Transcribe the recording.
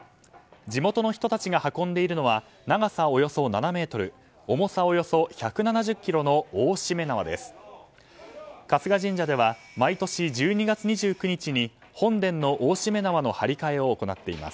地元の人たちが運んでいるのは長さおよそ７ｍ重さおよそ１７０ｋｇの大しめ縄です。